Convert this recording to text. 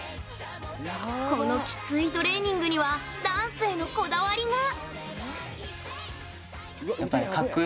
このきついトレーニングにはダンスへのこだわりが。